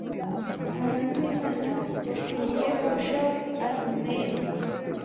abantu bImana bakwiriye kurushaho kugira umwete